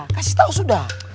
kasih tau sudah